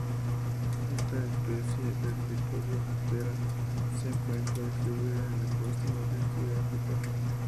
Esta especie de Lepidoptera se encuentra distribuida en la costa noroeste de África.